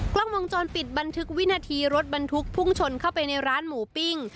กล้องวงจรปิดบันทึกวินาทีรถบรรทุกพุ่งชนเข้าไปในร้านหมูปิ้ง